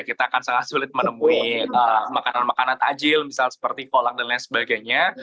kita akan sangat sulit menemui makanan makanan ajil misal seperti kolak dan lain sebagainya